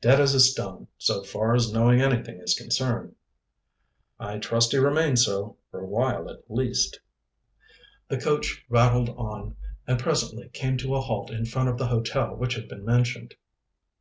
"Dead as a stone, so far as knowing anything is concerned." "I trust he remains so, for a while at least." The coach rattled on, and presently came to a halt in front of the hotel which had been mentioned.